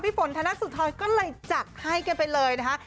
พี่ฝนธนักสุทธอยก็เลยจักรให้กันไปเลยนะคะ